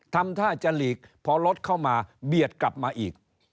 ทำท่าจะหลีกพอรถเข้ามาเบียดกลับมาอีก